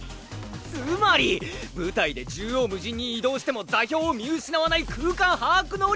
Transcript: つまり！舞台で縦横無尽に移動しても座標を見失わない空間把握能力！